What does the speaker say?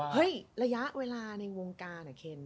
เห้ยระยะเวลาในวงการ